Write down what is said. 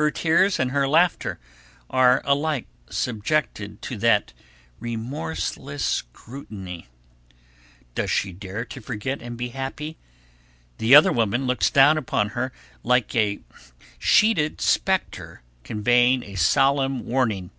Her tears and her laughter are alike subjected to that remorseless scrutiny. [Sidenote: A Sheeted Spectre] Does she dare to forget and be happy? The other woman looks down upon her like a sheeted spectre conveying a solemn warning.